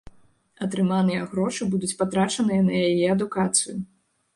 Атрыманыя грошы будуць патрачаныя на яе адукацыю.